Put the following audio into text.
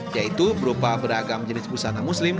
yaitu berupa beragam jenis busana muslim